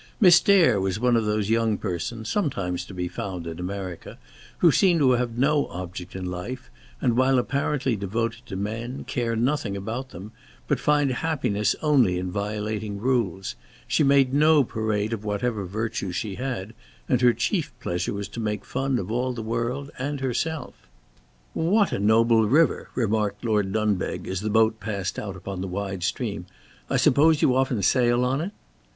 Miss Dare was one of those young persons, sometimes to be found in America, who seem to have no object in life, and while apparently devoted to men, care nothing about them, but find happiness only in violating rules; she made no parade of whatever virtues she had, and her chief pleasure was to make fun of all the world and herself. "What a noble river!" remarked Lord Dunbeg, as the boat passed out upon the wide stream; "I suppose you often sail on it?"